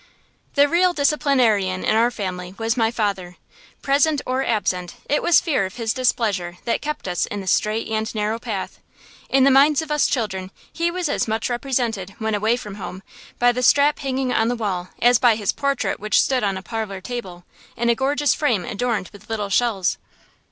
The real disciplinarian in our family was my father. Present or absent, it was fear of his displeasure that kept us in the straight and narrow path. In the minds of us children he was as much represented, when away from home, by the strap hanging on the wall as by his portrait which stood on a parlor table, in a gorgeous frame adorned with little shells.